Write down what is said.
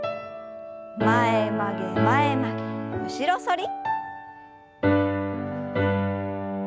前曲げ前曲げ後ろ反り。